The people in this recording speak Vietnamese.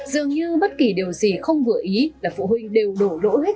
dường như bất kỳ điều gì không vừa ý là phụ huynh đều đổ lỗi hết